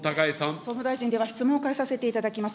総務大臣、では質問を変えさせていただきます。